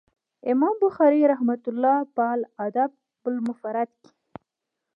امام بخاري رحمه الله په الأدب المفرد کي